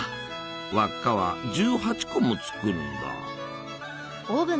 輪っかは１８個も作るんだ。